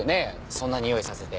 そんなにおいさせて。